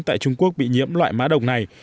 tại trung quốc bị nhiễm loại mã độc này